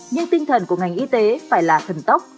nhưng tinh thần của ngành y tế phải là thần tốc